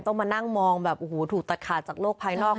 ต้องมานั่งมองแบบโอ้โหถูกตัดขาดจากโลกภายนอก